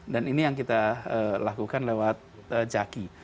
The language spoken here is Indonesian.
dan ini yang kita lakukan lewat jaki